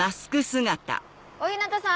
小日向さん